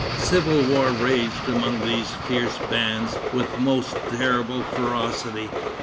Civil war raged among these fierce bands with most terrible ferocity.